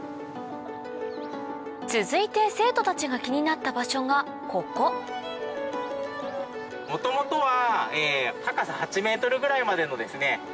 続いて生徒たちが気になった場所がここ元々は。